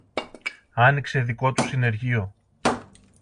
άνοιξε δικό του συνεργείο.